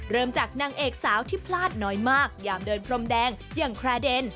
เริ่มจากนางเอกสาวที่พลาดน้อยมากยามเดินพรมแดงอย่างแครเดน